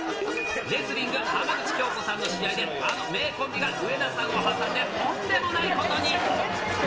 レスリング、浜口京子さんの試合で、あの名コンビが上田さんを乗せて、とんでもないことに。